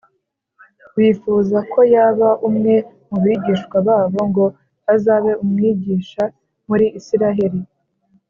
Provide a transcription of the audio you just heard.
Bifuza ko yaba umwe mubigishwa babo, ngo azabe umwigisha muri Isiraheli.